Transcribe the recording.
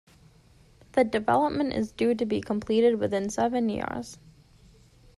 The development is due to be completed within seven years.